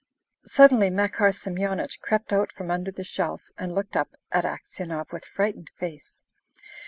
Suddenly Makar Semyonich crept out from under the shelf, and looked up at Aksionov with frightened face.